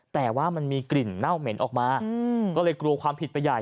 แต่ว่ามันมีกลิ่นเน่าเหม็นออกมาก็เลยกลัวความผิดไปใหญ่